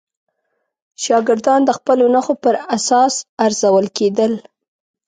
شاګردان د خپلو نښو پر اساس ارزول کېدل.